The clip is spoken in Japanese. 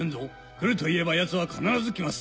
来ると言えばヤツは必ず来ます。